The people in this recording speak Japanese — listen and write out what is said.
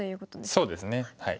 そうですね。